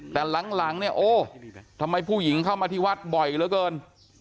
แต่หลังเนี่ยโอ้ทำไมผู้หญิงเข้ามาที่วัดบ่อยเหลือเกิน